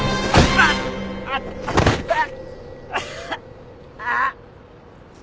ああっあっ。